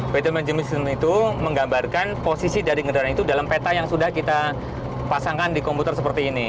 battle management system itu menggambarkan posisi dari kendaraan itu dalam peta yang sudah kita pasangkan di komputer seperti ini